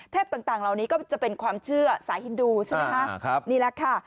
ต่างเหล่านี้ก็จะเป็นความเชื่อสายฮินดูใช่ไหมคะนี่แหละค่ะ